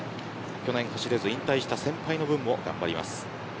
去年走れず引退した先輩の分も頑張ります。